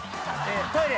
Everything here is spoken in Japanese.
トイレ。